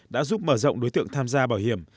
đã giúp mở rộng đối tượng tham gia bảo hiểm